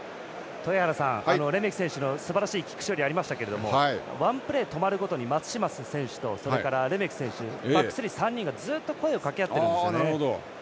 レメキ選手のすばらしいキック処理ありましたけどワンプレー止まるごとに松島選手とそれからレメキ選手バックスリー、３人がずっと声をかけ合ってるんですよね。